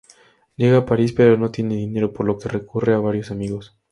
Llega a París, pero no tiene dinero, por lo que recurre a varios amigos.